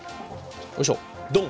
よいしょドン！